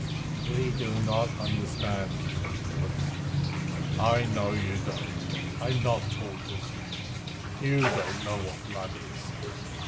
"We do not understand," said the bullocks. "I know you don't. I'm not talking to you. You don't know what blood is."